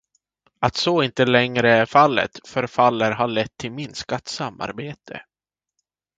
Att så inte längre är fallet förefaller ha lett till minskat samarbete.